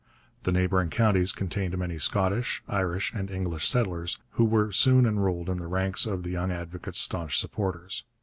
The neighbouring counties contained many Scottish, Irish, and English settlers, who were soon enrolled in the ranks of the young advocate's staunch supporters.